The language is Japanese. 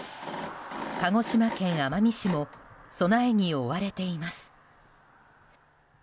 鹿児島県奄美市も備えに追われています。